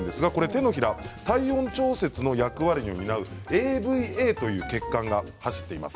手のひら、体温調節の役割を担うＡＶＡという血管が走っています。